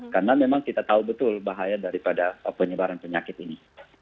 karena memang kita tahu betul bahaya daripada penyebaran penyakit ini